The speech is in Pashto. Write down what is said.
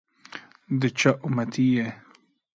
دچا اُمتي يی؟